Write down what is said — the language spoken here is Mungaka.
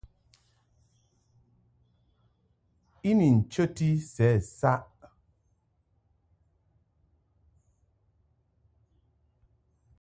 I ni nchəti sɛ saʼ.